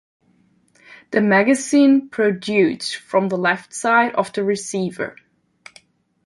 The magazine protrudes from the left side of the receiver.